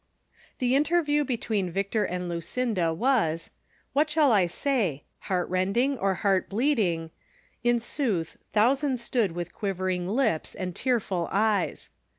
P^HE interview between Victor and Lueinda was— what shall I say, heart rending, or heart bleed ing ; in sooth, thousands stood with quivering lips and tearful eyes.